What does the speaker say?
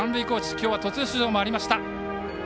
今日は途中出場もありました。